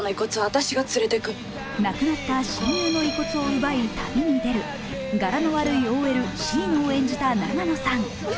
亡くなった親友の遺骨を奪い旅に出るガラの悪いＯＬ、シイノを演じた永野さん。